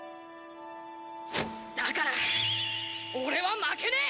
だから俺は負けねえ！